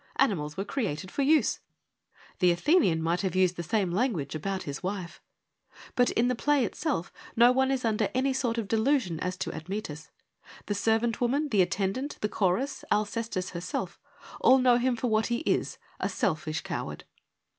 Animals were created for use.' The Athenian might have used the same language about his wife. But in the play itself no one is under any sort of delusion as to Admetus. The servant woman, the attendant, the chorus, Alcestis herself : all know him for what he is, a selfish coward.